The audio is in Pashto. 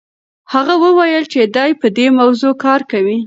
هغه وویل چې دی په دې موضوع کار کوي.